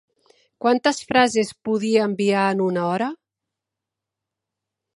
Quantes frases podia enviar en una hora?